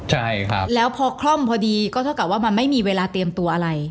ใช่ครับแล้วพอคล่อมพอดีก็เท่ากับว่ามันไม่มีเวลาเตรียมตัวอะไร